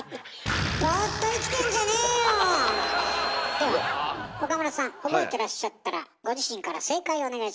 では岡村さん。覚えてらっしゃったらご自身から正解をお願いします。